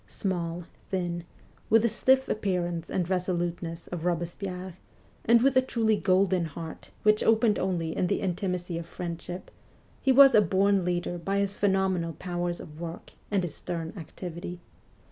Small, thin, with the stiff appearance and resoluteness of Robespierre, and with a truly golden heart which opened only in the intimacy of friendship, he was a born leader by his phenomenal powers of work and his stern activity.